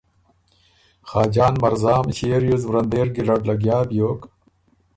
خاجان مرزام ݭيې ریوز ورندېر ګیرډ لګیا بیوک۔